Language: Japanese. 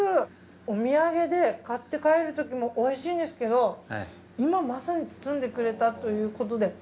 お土産で買って帰るときもおいしいんですけど今まさに包んでくれたということで。